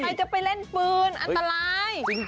ใครจะไปเล่นปืนอันตราย